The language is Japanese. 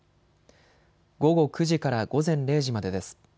午後９時から午前０時までです。